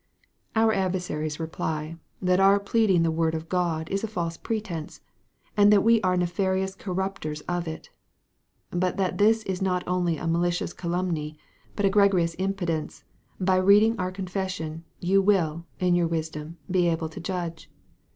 Our adversaries reply, that our pleading the word of God is a false pretence, and that we are nefarious corrupters of it. But that this is not only a malicious calumny, but egregious impudence, by reading our confession, you will, in your wisdom, be able to judge.